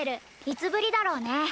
いつぶりだろうね？